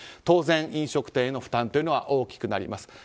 当然、飲食店への負担は大きくなります。